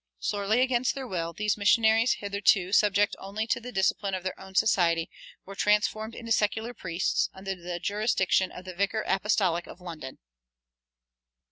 Sorely against their will, these missionaries, hitherto subject only to the discipline of their own society, were transformed into secular priests, under the jurisdiction of the Vicar Apostolic of London.